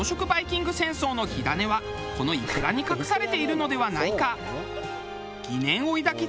バイキング戦争の火種はこのいくらに隠されているのではないか？